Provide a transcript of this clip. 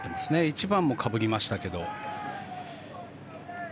１番もかぶりましたけど。